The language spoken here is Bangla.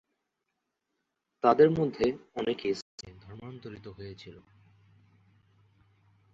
তাদের মধ্যে অনেকে ইসলামে ধর্মান্তরিত হয়েছিল।